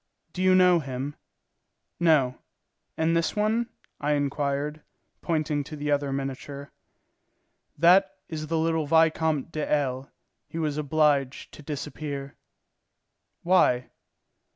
Do you know him?" "No. And this one?" I inquired, pointing to the other miniature. "That is the little Vicomte de L. He was obliged to disappear." "Why?"